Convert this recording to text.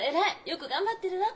よく頑張ってるわ。